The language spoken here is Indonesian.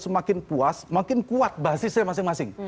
semakin puas makin kuat basisnya masing masing